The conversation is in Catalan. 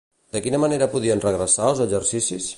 De quina manera podrien regressar els exercicis?